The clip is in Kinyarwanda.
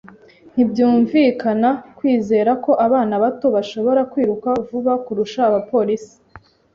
Ntibyumvikana kwizera ko abana bato bashobora kwiruka vuba kurusha abapolisi.